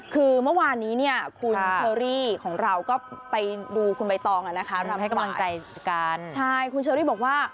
คือเมื่อวานนี้เนี่ยคุณเชอรี่ของเราก็ไปดูคุณใบตองอ่ะนะคะ